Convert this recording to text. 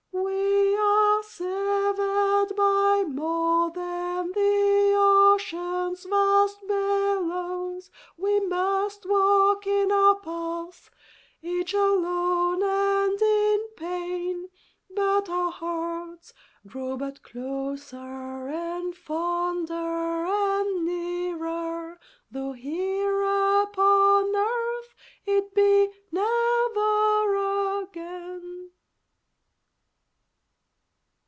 We are severed by more than the ocean's vast billows! We must walk in our paths each alone and in pain! But our hearts grow but closer, and fonder, and nearer, Though here upon earth, it be "never again!"